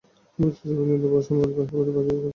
তোমার শিষ্যরা পর্যন্ত বহু ধনসম্পত্তি বাগিয়ে ফেলেছে।